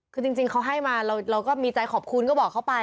คือจริงเขาให้มาเราก็มีใจขอบคุณก็บอกเขาไป